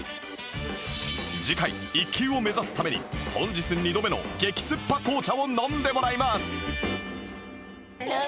次回１級を目指すために本日２度目の激スッパ紅茶を飲んでもらいますやだ。